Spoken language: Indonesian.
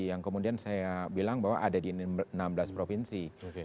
yang kemudian saya bilang bahwa ada di enam belas provinsi